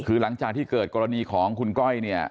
คือหลังจากที่เกิดกรณีของคุณก้อยเนี่ย